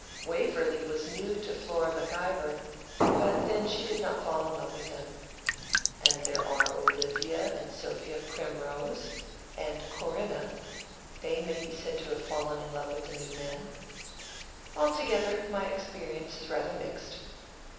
Waverley was new to Flora MacIvor; but then she did not fall in love with him. And there are Olivia and Sophia Primrose, and Corinne—they may be said to have fallen in love with new men. Altogether, my experience is rather mixed."